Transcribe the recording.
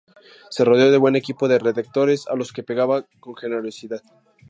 Se rodeó de buen equipo de redactores, a los que pagaba con generosidad.